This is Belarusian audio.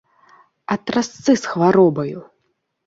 А трасцы з хваробаю!